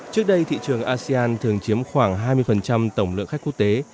trước đây thị trường asean thường chiếm khoảng hai mươi tổng lượng khách quốc tế